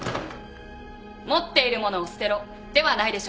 「持っている物を捨てろ」ではないでしょうか？